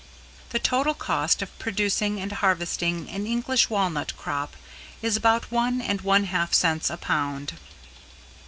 The total cost of producing and harvesting an English Walnut crop is about one and one half cents a pound.